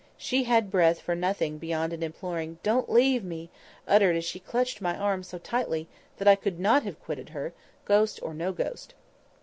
She had breath for nothing beyond an imploring "Don't leave me!" uttered as she clutched my arm so tightly that I could not have quitted her, ghost or no ghost.